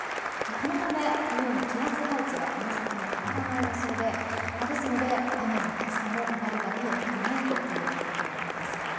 このため、このように気圧配置がこの先も変わらない予想でですので、雨も暑さも終わりが見えていないという状況です。